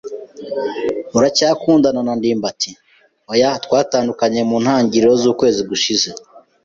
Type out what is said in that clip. "Uracyakundana na ndimbati?" "Oya, twatandukanye mu ntangiriro z'ukwezi gushize."